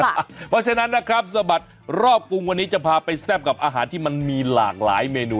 เพราะฉะนั้นนะครับสะบัดรอบกรุงวันนี้จะพาไปแซ่บกับอาหารที่มันมีหลากหลายเมนู